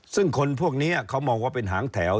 ซึ่งคนพวกนี้เขามองว่าเป็นหางแถว